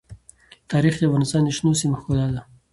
تاریخ د افغانستان د شنو سیمو ښکلا ده.